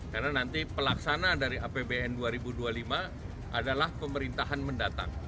karena nanti pelaksanaan dari rapbn dua ribu dua puluh lima adalah pemerintahan mendatang